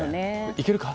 行けるか？